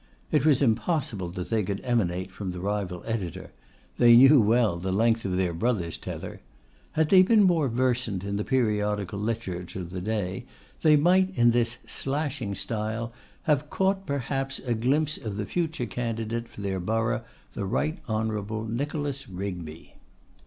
It was impossible that they could emanate from the rival Editor. They knew well the length of their brother's tether. Had they been more versant in the periodical literature of the day, they might in this 'slashing' style have caught perhaps a glimpse of the future candidate for their borough, the Right Honourable Nicholas Rigby.